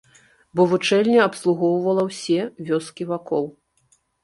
Бо вучэльня абслугоўвала ўсе вёскі вакол.